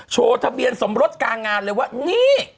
โชว์ทะเบียนสมรสกลางงานเลยว่านี่